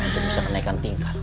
untuk bisa menaikan tingkat